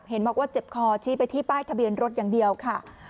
เห็นบอกว่าเจ็บคอชี้ไปที่ป้ายทะเบียนรถอย่างเดียวค่ะ